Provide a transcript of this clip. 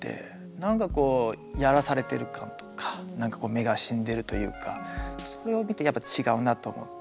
なんかこうやらされてる感とかなんかこう目が死んでるというかそれを見てやっぱ違うなと思って。